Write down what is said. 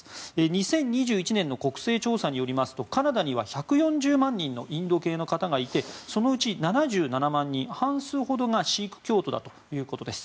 ２０２１年の国勢調査によりますとカナダには１４０万人のインド系の方がいてそのうち７７万人半数ほどがシーク教徒だということです。